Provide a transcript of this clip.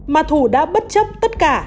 mà thủ đã bất chấp tất cả